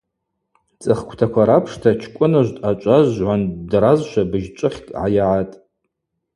Цӏыхквтаква рапшта Чкӏвыныжв дъачӏваз жвгӏванд ддразшва быжьчӏвыхькӏ гӏайагӏатӏ.